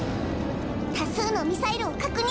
多数のミサイルを確認！